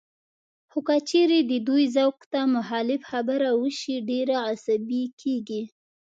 خو که چېرې د دوی ذوق ته مخالف خبره وشي، ډېر عصبي کېږي